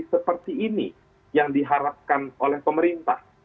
seperti ini yang diharapkan oleh pemerintah